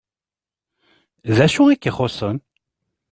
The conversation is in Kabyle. D acu i k-ixuṣṣen?